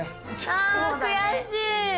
あ悔しい。